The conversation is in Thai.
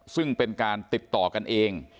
ซึ่งเป็นการติดต่อกันเอง